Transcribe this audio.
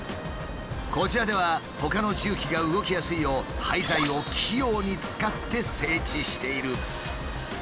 こちらではほかの重機が動きやすいよう廃材を器用に使って整地している。